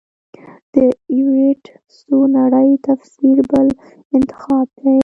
د ایورېټ څو نړۍ تفسیر بل انتخاب دی.